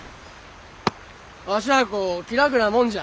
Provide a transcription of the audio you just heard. わしゃあこ気楽なもんじゃ。